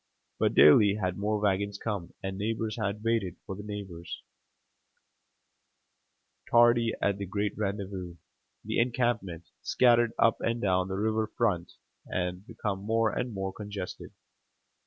But daily had more wagons come, and neighbors had waited for neighbors, tardy at the great rendezvous. The encampment, scattered up and down the river front, had become more and more congested.